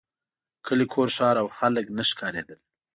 کلی کور ښار او خلک نه ښکارېدل.